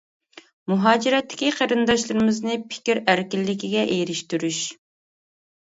مۇھاجىرەتتىكى قېرىنداشلىرىمىزنى پىكىر ئەركىنلىكىگە ئېرىشتۈرۈش.